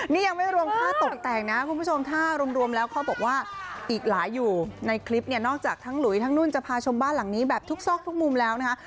นี่ยังไม่รวมค่าตกแต่งนะคุณผู้ชมถ้ารวมแล้วเขาบอกว่าอีกหลายอยู่ในคลิปเนี่ยนอกจากทั้งหลุยทั้งนุ่นจะพาชมบ้านหลังนี้แบบทุกซอกทุกมุมแล้วนะคะ